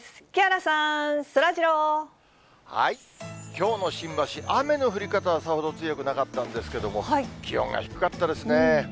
きょうの新橋、雨の降り方はさほど強くなかったんですけれども、気温が低かったですね。